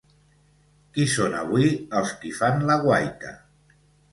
Qui són avui els qui fan la guaita?